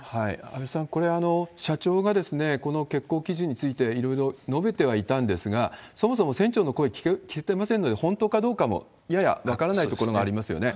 安倍さん、これ、社長がこの欠航基準についていろいろ述べてはいたんですが、そもそも船長の声、聞けていませんので、本当かどうかもやや分からないところがありますよね。